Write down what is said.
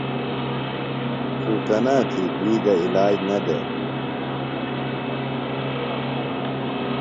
خوکنا تھیۡ، دُوئی گہ عِلاج نہ دےۡ۔